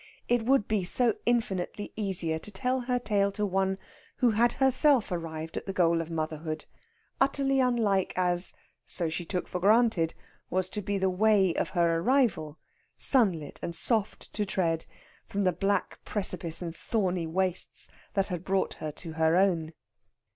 It would be so infinitely easier to tell her tale to one who had herself arrived at the goal of motherhood, utterly unlike as (so she took for granted) was to be the way of her arrival, sunlit and soft to tread, from the black precipice and thorny wastes that had brought her to her own.